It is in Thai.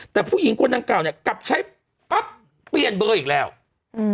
แต่ผู้หญิงคนดังกล่าวเนี้ยกลับใช้ปั๊บเปลี่ยนเบอร์อีกแล้วอืม